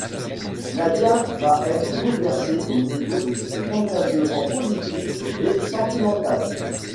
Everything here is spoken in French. Nadia va être bouleversée au niveau de ses engagements politiques et sentimentalement...